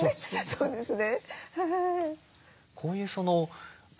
そうですね。